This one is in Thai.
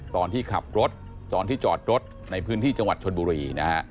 ตอนที่ขับรถตอนที่จอดรถในพื้นที่จังหวัดชนบุรีนะฮะ